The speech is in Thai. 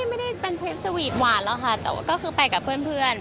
ไม่ได้เป็นเซฟสวีตหวานร้อนค่ะแต่ก็คือไปกับเพื่อน